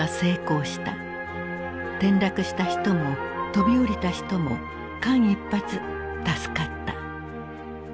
転落した人も飛び降りた人も間一髪助かった。